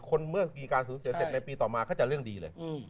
เมื่อมีการสูญเสียเสร็จในปีต่อมาก็จะเรื่องดีเลย